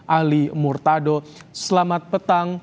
ali murtado selamat petang